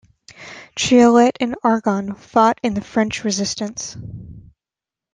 Triolet and Aragon fought in the French Resistance.